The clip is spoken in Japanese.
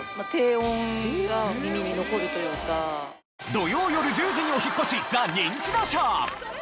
土曜よる１０時にお引っ越し『ザ・ニンチドショー』。